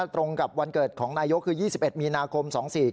ตรงกับวันเกิดของนายกคือ๒๑มีนาคม๒๔๙